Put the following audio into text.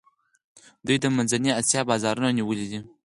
دوی د منځنۍ آسیا بازارونه نیولي دي.